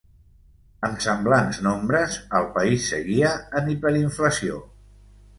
Amb semblants nombres al país seguia en hiperinflació.